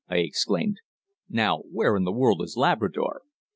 I exclaimed. "Now where in the world is Labrador?"